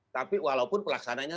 tapi walaupun pelaksananya